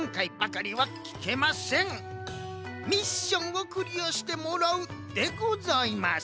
ミッションをクリアしてもらうでございます。